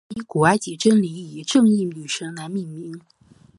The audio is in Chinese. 它以古埃及真理和正义女神来命名。